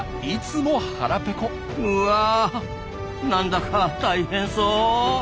うわなんだか大変そう。